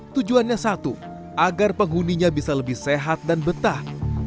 tujuannya satu agar penghuninya bisa lebih sehat dan betah